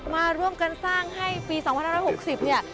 มาร่วมกันสร้างให้ปี๒๕๖๐เนี่ย